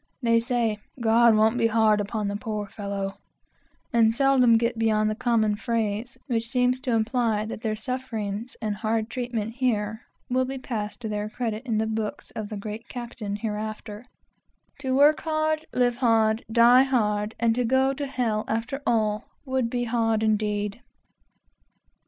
They say, "God won't be hard upon the poor fellow," and seldom get beyond the common phrase which seems to imply that their sufferings and hard treatment here will excuse them hereafter, "To work hard, live hard, die hard, and go to hell after all, would be hard indeed!"